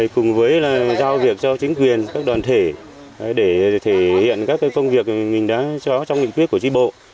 cùng với là giao việc cho chính quyền các đoàn thể để thể hiện các công việc mình đã cho trong định quyết của trí bộ